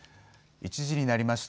１時になりました。